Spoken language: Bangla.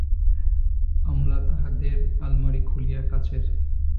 আমলা তাহাদের আলমারি খুলিয়া কাঁচের।